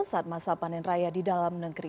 saat masa panen raya di dalam negeri